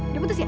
udah putus ya